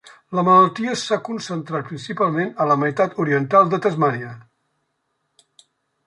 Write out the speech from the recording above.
La malaltia s'ha concentrat principalment a la meitat oriental de Tasmània.